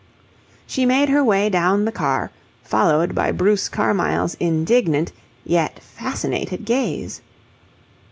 She made her way down the car, followed by Bruce Carmyle's indignant, yet fascinated, gaze.